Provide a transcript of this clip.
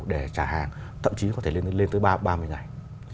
để trả hàng thậm chí có thể lên tới ba mươi ngày